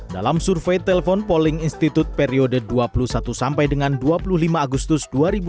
dalam survei telepon polling institut periode dua puluh satu sampai dengan dua puluh lima agustus dua ribu dua puluh